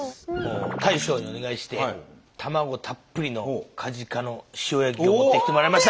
大将にお願いして卵たっぷりのかじかの塩焼きを持ってきてもらいました。